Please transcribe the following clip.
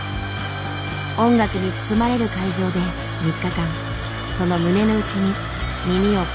音楽に包まれる会場で３日間その胸のうちに耳を傾けた。